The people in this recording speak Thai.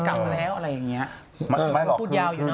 ก็เลยแบบไม่กลับมาแล้วอะไรอย่างนี้